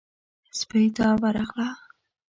سپۍ ته ورغله.